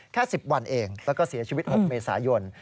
แค่๑๐วันเองแล้วก็เสียชีวิต๖เมษายน